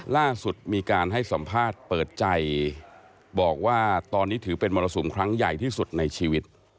ล่าสุดมีการให้สัมภาษณ์เปิดใจบอกว่าตอนนี้ถือเป็นมรสุมครั้งใหญ่ที่สุดในชีวิต